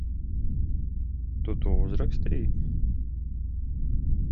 Tu to uzrakstīji?